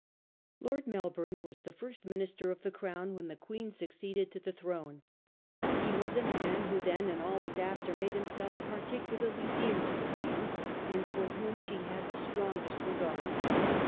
Lord Melbourne was the First Minister of the Crown, when the Queen succeeded to the throne. He was a • man who then and always after made himself par ticularly dear to the Queen, and for whom she had the strongest regard.